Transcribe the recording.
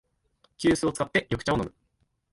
急須を使って緑茶を飲む